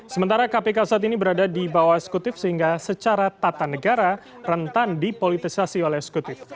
sementara kpk saat ini berada di bawah eksekutif sehingga secara tata negara rentan dipolitisasi oleh eksekutif